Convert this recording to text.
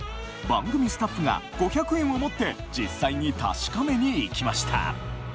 番組スタッフが５００円を持って実際に確かめに行きました